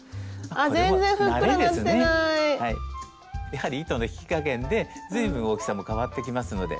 やはり糸の引き加減で随分大きさもかわってきますので。